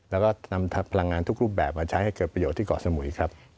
แล้วก็นำพลังงานทุกรูปแบบมาใช้ให้เกิดประโยชนที่เกาะสมุยครับ